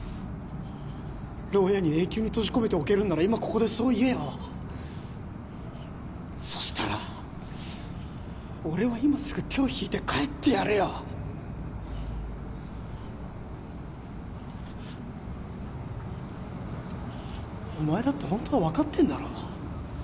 ろう屋に永久に閉じ込めておけるんなら今ここでそう言えよそしたら俺は今すぐ手を引いて帰ってやるよお前だってホントは分かってんだろ